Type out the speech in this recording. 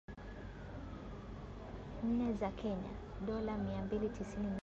Nne za Kenya (Dola mia mbili tisini na nane.